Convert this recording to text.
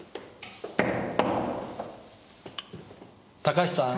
高橋さん！